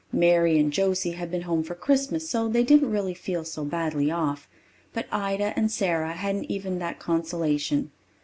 Mary and Josie had been home for Christmas, so they didn't really feel so badly off. But Ida and Sara hadn't even that consolation.